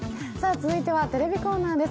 続いてはテレビコーナーです。